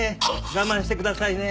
我慢してくださいね。